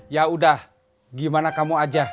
yaudah gimana kamu aja